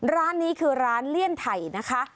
ร้านนี้คือร้านเลี่ยนไถ่นะคะ